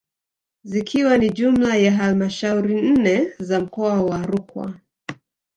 Zikiwa ni jumla ya halmashauri nne za mkoa wa Rukwa